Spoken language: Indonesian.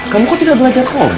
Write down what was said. kamu kok tidak belajar oh